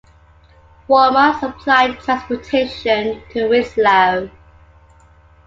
Walmart supplied the transportation to Winslow.